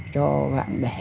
cho vạn đẻ